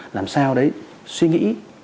làm sao đấy suy nghĩ